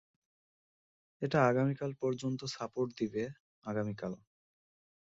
এটা আগামীকাল পর্যন্ত সাপোর্ট দিবে আগামীকাল?